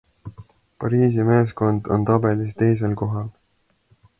Pariisi meeskond on tabelis teisel kohal.